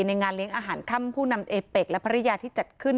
งานเลี้ยงอาหารค่ำผู้นำเอเป็กและภรรยาที่จัดขึ้น